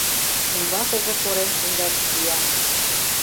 Умбакыже корем пундаш кӱан.